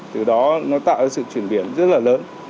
từ đó nó tạo ra sự chuyển biến rất là lớn